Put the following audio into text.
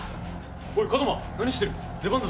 おい門真何してる出番だぞ。